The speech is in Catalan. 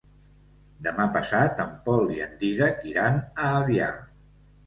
Demà passat en Pol i en Dídac iran a Avià.